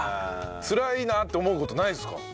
つらいなって思う事ないですか？